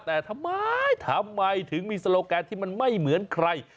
แต่ทำไมทำไมถึงมีโลแกนที่มันไม่เหมือนใคร